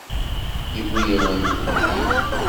Yewwi-yawen-tent-id.